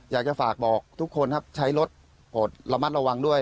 อยากจะฝากบอกทุกคนครับใช้รถระมัดระวังด้วย